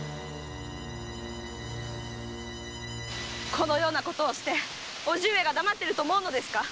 このようなことをして叔父上が黙ってると思うのですか？